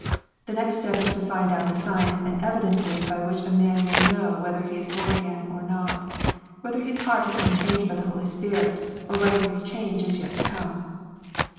The next step is to find out the signs and evidences by which a man may know whether he is born again or not, whether his heart has been changed by the Holy Spirit, or whether his change is yet to come.